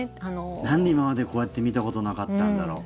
なんで今までこうやって見たことなかったんだろう。